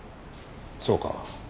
そうか。